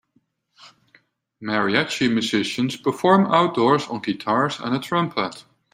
Mariachi musicians perform outdoors on guitars and a trumpet.